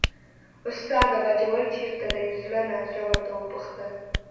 استاده! باجوړ چېرته دی، زړه نازړه ورته وپوښتل.